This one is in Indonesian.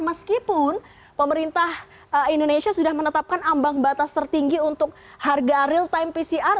meskipun pemerintah indonesia sudah menetapkan ambang batas tertinggi untuk harga real time pcr